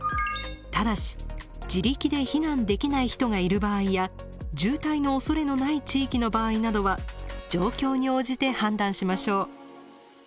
ただし自力で避難できない人がいる場合や渋滞のおそれのない地域の場合などは状況に応じて判断しましょう。